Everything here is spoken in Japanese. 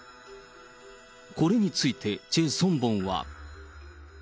これについて、チェ・ソンボンは。